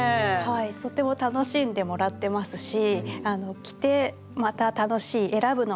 とても楽しんでもらってますし着てまた楽しい選ぶのも楽しい。